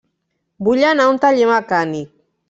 Vull anar a un taller mecànic.